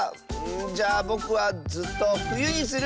じゃあぼくはずっとふゆにする！